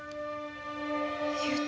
雄太。